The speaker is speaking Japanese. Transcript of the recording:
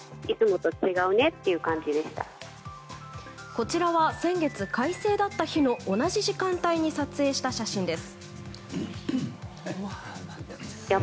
こちらは、先月快晴だった日の同じ時間帯に撮影した写真です。